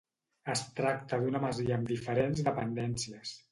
Es tracta d'una masia amb diferents dependències.